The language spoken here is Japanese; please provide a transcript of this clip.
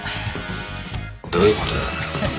どういうことだ？